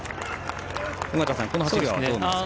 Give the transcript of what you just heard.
尾方さん、この走りはどうですか。